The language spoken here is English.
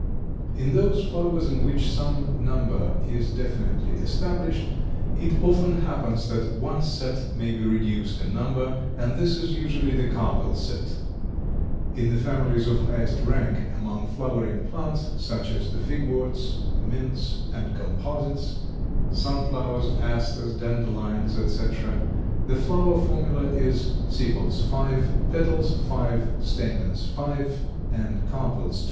In those flowers in which some number is definitely established, it often happens that one set may be reduced in number, and this is usually the carpel set. In the families of highest rank among flowering plants, such as the figworts, mints, and composites (sunflowers, asters, dandelions, etc.) the flower formula is sepals 5, petals 5, stamens 5, and carpels 2.